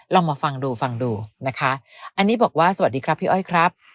ลองมาฟังดูฟังดูนะคะอันนี้บอกว่าสวัสดีครับพี่อ้อยครับ